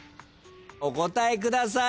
お答えください。